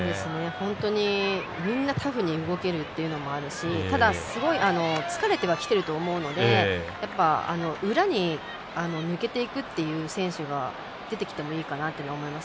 本当にみんなタフに動けるっていうのもあるしただ、すごい疲れてはきてると思うので裏に抜けていくっていう選手が出てきてもいいかなと思います。